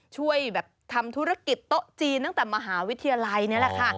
ช่วยแบบทำธุรกิจโต๊ะจีนตั้งแต่มหาวิทยาลัยนี่แหละค่ะ